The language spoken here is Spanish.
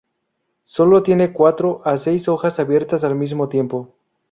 Sólo tiene cuatro a seis hojas abiertas al mismo tiempo.